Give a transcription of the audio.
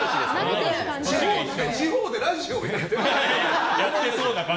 地方でラジオをやってそうな。